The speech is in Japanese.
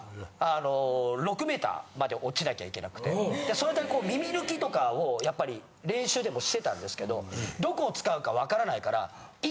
それで耳抜きとかをやっぱり練習でもしてたんですけどどこを使うか分からないから。